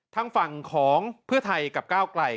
ทางฝั่งของเพื่อไทยกับก้าวไกล